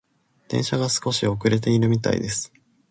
電車が少し遅れているみたいです。